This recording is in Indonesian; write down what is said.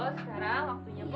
yuk sekarang waktunya bobo